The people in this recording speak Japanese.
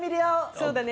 そうだね。